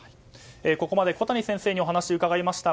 ここまで小谷先生にお話を伺いました。